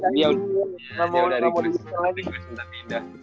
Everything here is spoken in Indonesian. iya dari kelas itu